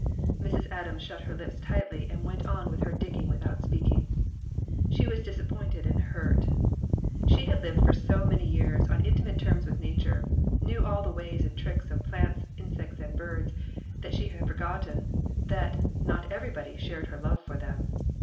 Mrs. Adams shut her lips tightly and went on with her digging without speaking. She was dis appointed and hurt. She had lived for so many years on intimate terms with Nature, knew all the ways and tricks of plants, insects and birds, that she had forgotten but that everybody shared her love for them.